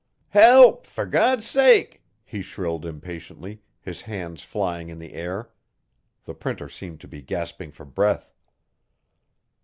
'Help! For God's sake!' he shrilled impatiently, his hands flying in the air. The Printer seemed to be gasping for breath.